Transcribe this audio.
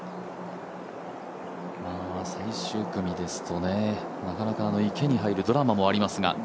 最終組ですと、なかなか池に入るドラマもありますが。